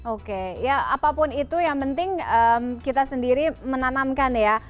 oke ya apapun itu yang penting kita sendiri menanamkan ya